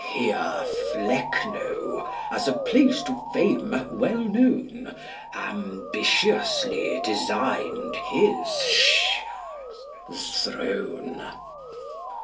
Here Flecknoe. as a place to fame well known, Ambitiously design'd his Shad well's throne.